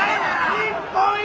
日本一！